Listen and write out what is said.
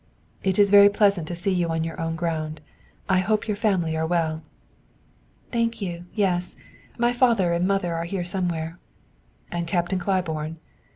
"It is very pleasant to see you on your own ground. I hope your family are well." "Thank you; yes. My father and mother are here somewhere." "And Captain Claiborne?"